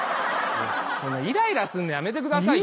イライラすんのやめてください。